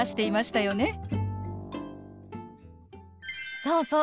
そうそう。